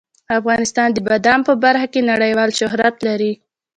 افغانستان د بادام په برخه کې نړیوال شهرت لري.